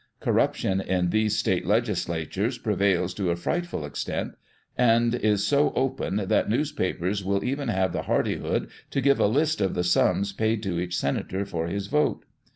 Corruption in these state legislatures prevails to a irightful extent, and is so open that newspapers will even have the hardihood to give a list of the sums paid to each senator for his vote.